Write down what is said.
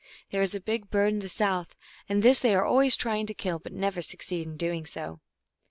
There is a big bird in the south, and this they are always trying to kill, but never succeed in doing so.